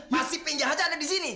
masih pinjang aja ada disini